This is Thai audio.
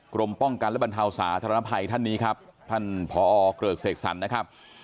กรมป้องกันและบรรเทาสาธารณภัยท่านนี้ครับท่านผอเกริกเสกสรรนะครับ